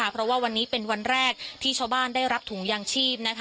เพราะว่าวันนี้เป็นวันแรกที่ชาวบ้านได้รับถุงยางชีพ